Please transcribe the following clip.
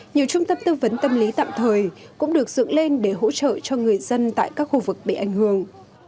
nhiều trung tâm tư vấn tâm lý tạm thời cũng được dựng lên để hỗ trợ cho người dân tại các khu vực bị ảnh hưởng